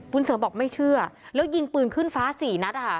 คุณเสริมบอกไม่เชื่อแล้วยิงปืนขึ้นฟ้า๔นัด